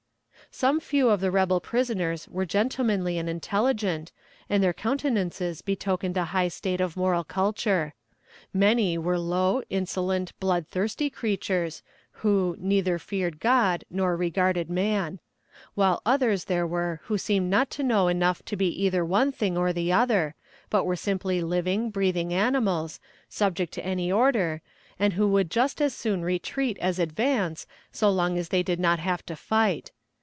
Some few of the rebel prisoners were gentlemanly and intelligent, and their countenances betokened a high state of moral culture. Many were low, insolent, bloodthirsty creatures, who "neither feared God nor regarded man;" while others there were who seemed not to know enough to be either one thing or the other, but were simply living, breathing animals, subject to any order, and who would just as soon retreat as advance, so long as they did not have to fight.